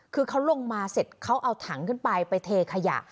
คือเขาลงมาเสร็จเขาเอาถังขึ้นไปไปเทขยะ